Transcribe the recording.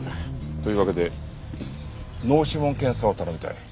というわけで脳指紋検査を頼みたい。